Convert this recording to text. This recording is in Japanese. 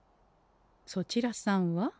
そちらさんは？